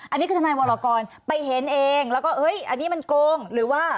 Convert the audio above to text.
อันนี้คือทนายวรกรไปเห็นเองแล้วก็เฮ้ยอันนี้มันโกงหรือว่า